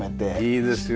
いいですよね。